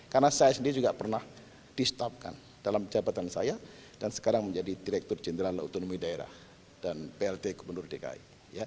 karena saya sendiri juga pernah di staffkan dalam jabatan saya dan sekarang menjadi direktur jenderal autonomi daerah dan plt gubernur dki